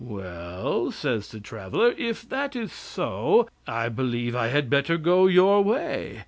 "Well," says the traveler, "if that is so, I believe I had better go your way."